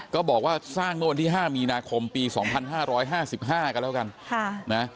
ก็บอกว่าสร้างเมื่อวันที่๕มีนาคมปี๒๕๕๕กันแล้วกัน